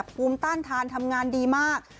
ภูมิต้านทานทำงานดีมาก